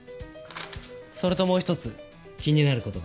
それともう一つ気になる事が。